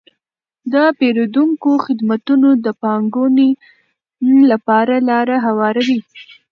د پیرودونکو خدمتونه د پانګونې لپاره لاره هواروي.